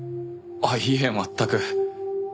いえ全く。